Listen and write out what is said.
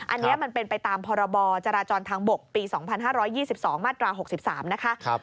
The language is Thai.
อันนี้มันเป็นไปตามพรบจราจรทางบกปี๒๕๒๒มาตรา๖๓นะคะ